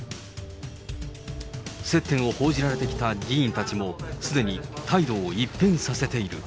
接点を報じられてきた議員たちも、すでに態度を一変させている。